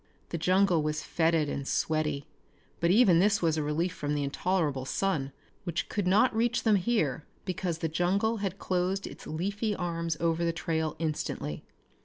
The jungle was fetid and sweaty, but even this was a relief from the intolerable sun which could not reach them here because the jungle had closed its leafy arms over the trail instantly.